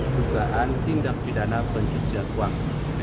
dugaan tindak pidana pencucian uang